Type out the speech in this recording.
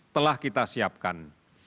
telah kita siapkan